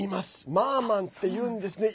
マーマンっていうんですね。